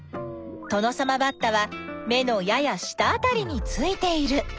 トノサマバッタは目のやや下あたりについている。